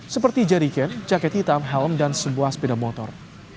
seperti jariken jaket hitam helm dan sebuah sepeda motor